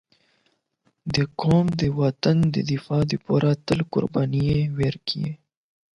• دا قوم د وطن د دفاع لپاره تل قرباني ورکړې.